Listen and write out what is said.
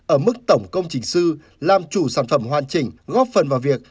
ở mức tổng công trình sư làm chủ sản phẩm hoàn chỉnh góp phần vào việc